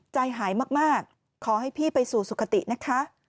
ใจหายมากขอให้พี่ไปสู่สุขตินะคะ